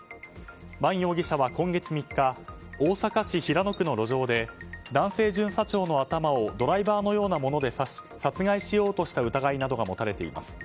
バン容疑者は今月３日大阪市平野区の路上で男性巡査長の頭をドライバーのようなもので刺し殺害しようとした疑いなどが持たれています。